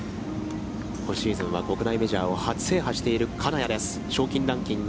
今シーズンは国内メジャーを初制覇している賞金ランキング